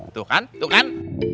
tuh kan tuh kan